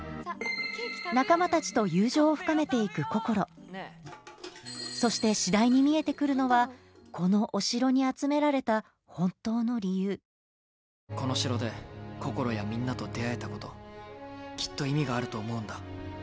仲間たちと友情を深めて行くこころそして次第に見えて来るのはこのお城に集められたこの城でこころやみんなと出会えたこときっと意味があると思うんだ。